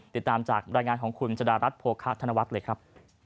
ติดตามจากรายงานของคุณชะดารัฐโภคะธนวัฒน์เลยครับ